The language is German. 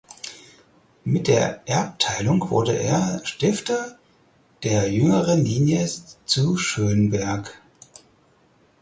Mit der Erbteilung wurde er Stifter der jüngeren Linie zu Schönberg.